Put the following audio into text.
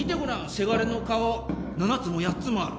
せがれの顔７つも８つもある。